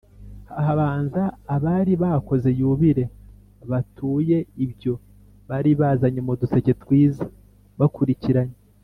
habanza abari bakoze yubile. batuye ibyo bari bazanye mu duseke twiza. bakurikiranye